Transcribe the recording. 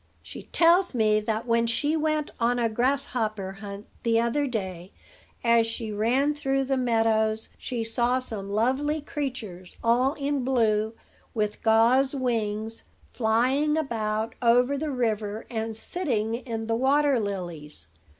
"She tells me that when she went on a grasshopper hunt the other day, as she ran through the meadow, she saw some lovely creatures all in blue, with gauze wings, flying about over the river, and sitting in the water lilies.